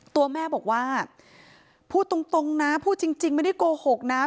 ตัวแม่บอกว่าพูดตรงนะพูดจริงไม่ได้โกหกนะ